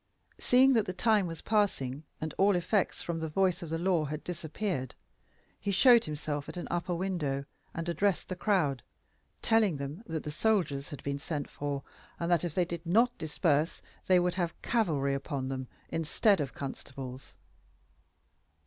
Seeing that the time was passing, and all effect from the voice of law had disappeared, he showed himself at an upper window, and addressed the crowd, telling them that the soldiers had been sent for, and that if they did not disperse they would have cavalry upon them instead of constables.